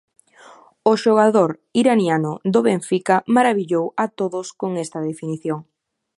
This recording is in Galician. O xogador iraniano do Benfica marabillou a todos con esta definición.